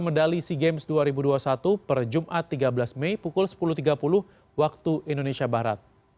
medali sea games dua ribu dua puluh satu per jumat tiga belas mei pukul sepuluh tiga puluh waktu indonesia barat